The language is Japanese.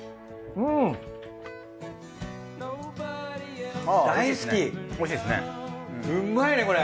うまいねこれ。